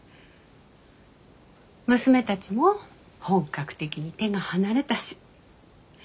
娘たちも本格的に手が離れたし。